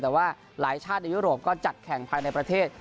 แต่ว่าหลายชาติในยุโรปก็จัดแข่งภายในประเทศ